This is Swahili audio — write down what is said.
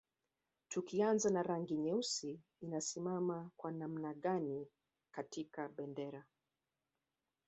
Tukianza na rangi nyeusi inasimama kwa namna gani katika bendera